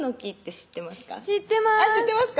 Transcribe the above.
知ってますか？